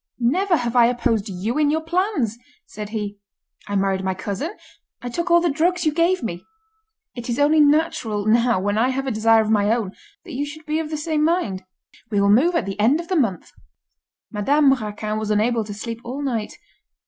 "Never have I opposed you in your plans," said he; "I married my cousin, I took all the drugs you gave me. It is only natural, now, when I have a desire of my own, that you should be of the same mind. We will move at the end of the month." Madame Raquin was unable to sleep all night.